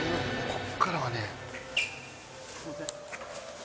ここからはね。